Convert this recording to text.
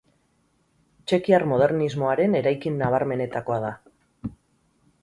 Txekiar modernismoaren eraikin nabarmenetakoa da.